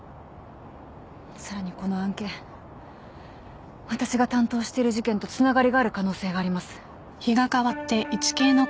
さらにこの案件私が担当している事件とつながりがある可能性があります。